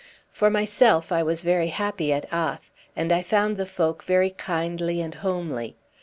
For myself, I was very happy at Ath, and I found the folk very kindly and homely.